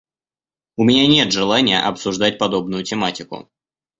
У меня нет желания обсуждать подобную тематику.